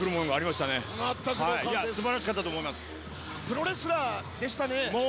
プロレスラーでしたね。